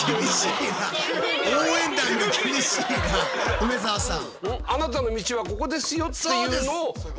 梅沢さん。